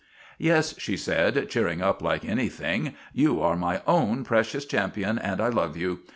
'Yes,' she said, cheering up like anything; 'you are my own precious champion, and I love you.